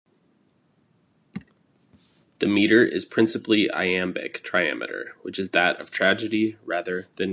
The meter is principally iambic trimeter, which is that of tragedy rather than comedy.